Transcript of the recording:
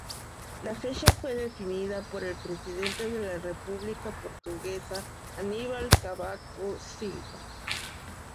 La fecha fue definida por el presidente de la República Portuguesa, Aníbal Cavaco Silva.